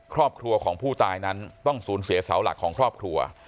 ครอบครัวของผู้ตายนั้นต้องสูญเสียเสาหลักของครอบครัว